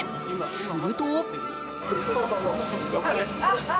すると。